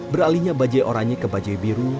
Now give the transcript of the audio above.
beralihnya bajai oranye ke bajai biru